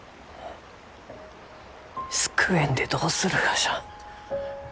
救えんでどうするがじゃ？